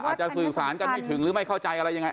อาจจะสื่อสารกันไม่ถึงหรือไม่เข้าใจอะไรยังไง